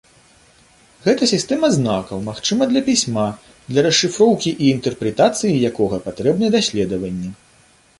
Гэта сістэма знакаў, магчыма для пісьма, для расшыфроўкі і інтэрпрэтацыі якога патрэбны даследаванні.